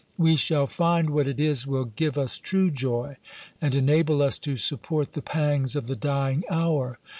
we shall find what it is will give us true joy, and enable us to support the pangs of the dying hour.